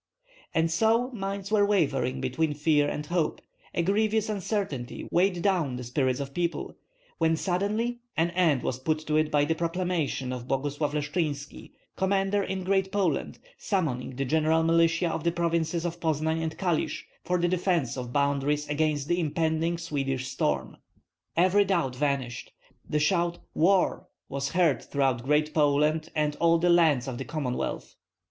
And so minds were wavering between fear and hope; a grievous uncertainty weighed down the spirits of people, when suddenly an end was put to it by the proclamation of Boguslav Leshchynski, commander in Great Poland, summoning the general militia of the provinces of Poznan and Kalisk for the defence of the boundaries against the impending Swedish storm. Every doubt vanished. The shout, "War!" was heard throughout Great Poland and all the lands of the Commonwealth.